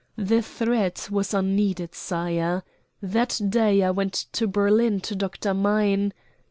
The threat was unneeded, sire. That day I went to Berlin to Dr. Mein S